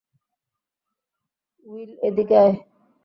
Will, এদিকে আয়।